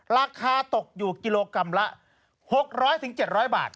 ราคาตกอยู่กิโลกรัมละ๖๐๐๗๐๐บาท